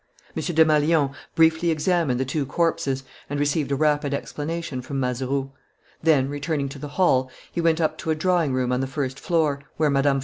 M. Desmalions briefly examined the two corpses and received a rapid explanation from Mazeroux. Then, returning to the hall, he went up to a drawing room on the first floor, where Mme.